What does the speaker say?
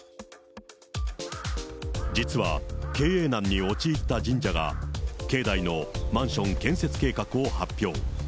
実は経営難に陥った神社が、境内のマンション建設計画を発表。